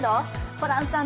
ホランさん